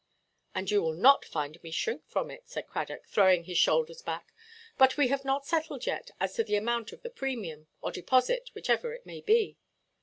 "And you will not find me shrink from it," said Cradock, throwing his shoulders back; "but we have not settled yet as to the amount of the premium, or deposit, whichever it may be."